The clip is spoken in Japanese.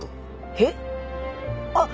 へっ？あっ！